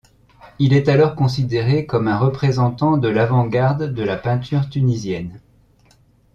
Il est alors considéré comme un représentant de l'avant-garde de la peinture tunisienne.